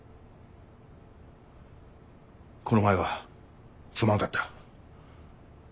この前はすまんかった。